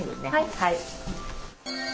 はい。